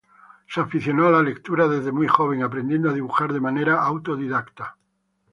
Se aficionó a la lectura desde muy joven, aprendiendo a dibujar de manera autodidacta.